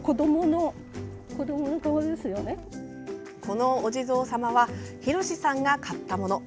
このお地蔵様は洋さんが買ったもの。